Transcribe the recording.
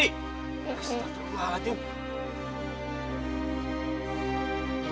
tidak ada yang bisa dikendalikan